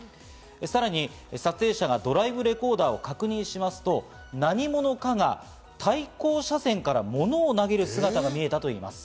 さらに撮影者がドライブレコーダーを確認しますと、何者かが対向車線から物を投げる姿が見えたといいます。